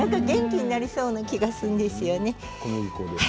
元気になりそうな気がするんですよね。